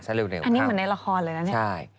อันนี้เหมือนในละครเลยนะเนี่ย